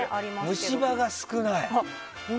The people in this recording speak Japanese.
虫歯が少ない。